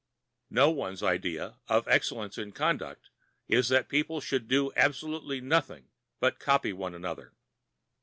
No one's idea of excellence in conduct is that people should do absolutely nothing but copy one another.